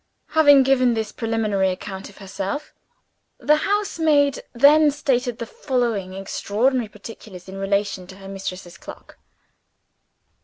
Having given this preliminary account of herself, the housemaid then stated the following extraordinary particulars in relation to her mistress's clock.